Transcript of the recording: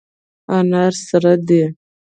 انار سره دي.